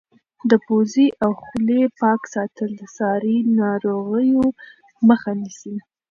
د پوزې او خولې پاک ساتل د ساري ناروغیو مخه نیسي.